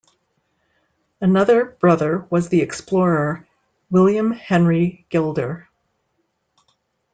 Another brother was the explorer William Henry Gilder.